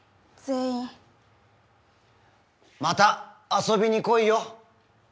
また遊びに来いよ！